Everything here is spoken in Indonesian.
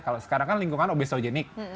kalau sekarang kan lingkungan obesogenik